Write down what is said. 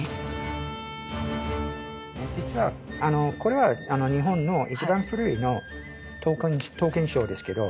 実はこれは日本の一番古い刀剣書ですけど。